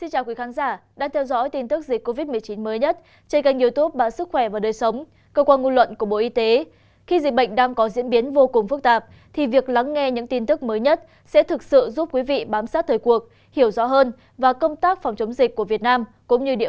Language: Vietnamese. hãy đăng ký kênh để ủng hộ kênh của chúng mình nhé